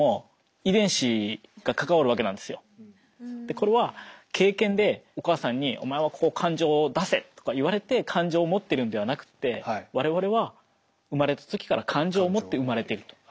これは経験でお母さんにお前は感情を出せとか言われて感情を持ってるのではなくって我々は生まれた時から感情を持って生まれていると。